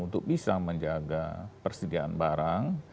untuk bisa menjaga persediaan barang